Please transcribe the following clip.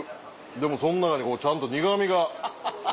でもその中にちゃんと苦みが。